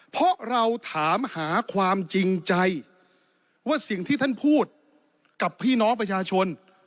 เพราะเราถามหาความจริงใจว่าสิ่งที่ท่านพูดกับพี่น้องประชาชน